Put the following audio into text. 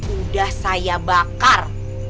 udah saya bakar